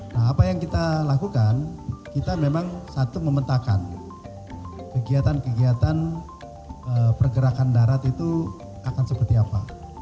nah apa yang kita lakukan kita memang satu memetakan kegiatan kegiatan pergerakan darat itu akan seperti apa